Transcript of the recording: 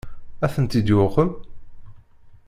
Ad ten-id-yuqem?